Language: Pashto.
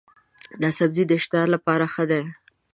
دا سبزی د اشتها لپاره ښه دی.